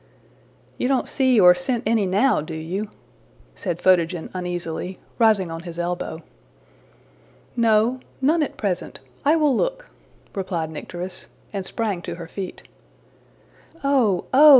'' ``You don't see or scent any now, do you?'' said Photogen uneasily, rising on his elbow. ``No none at present. I will look,'' replied Nycteris, and sprang to her feet. ``Oh, oh!